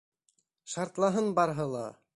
Шартлаһын барыһы ла!